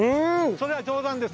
それは冗談です。